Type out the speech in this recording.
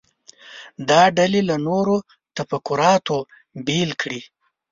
دا ډلې له نورو تفکراتو بیل کړي.